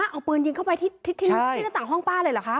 เอาปืนยิงเข้าไปที่หน้าต่างห้องป้าเลยเหรอคะ